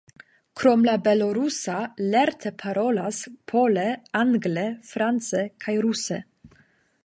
Krom la belorusa lerte parolas pole, angle, france kaj ruse.